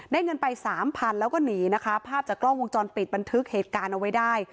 เงินไปสามพันแล้วก็หนีนะคะภาพจากกล้องวงจรปิดบันทึกเหตุการณ์เอาไว้ได้